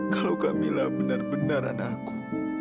kalau kamila benar benar anakku